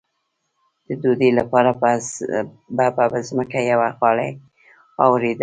د ډوډۍ لپاره به په ځمکه یوه غالۍ اوارېده.